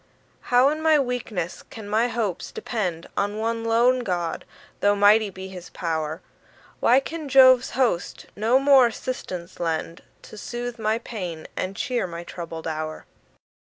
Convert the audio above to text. How in my weakness can my hopes depend On one lone God, though mighty be his pow'r? Why can Jove's host no more assistance lend, To soothe my pains, and cheer my troubled hour?